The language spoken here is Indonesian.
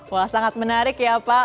wah sangat menarik ya pak